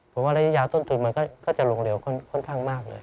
ผมว่าระยะยาวต้นทุนมันก็จะลงเร็วค่อนข้างมากเลย